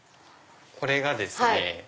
これがですね